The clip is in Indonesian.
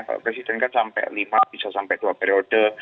kalau presiden kan sampai lima bisa sampai dua periode